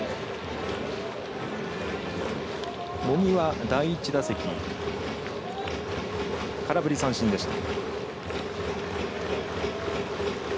茂木は第１打席空振り三振でした。